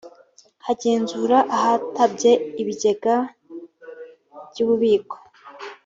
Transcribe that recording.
kugenzura ahatabye ibigega by ububiko